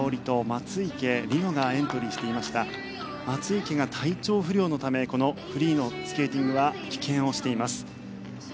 松生が体調不良のためこのフリーのスケーティングは棄権をしています。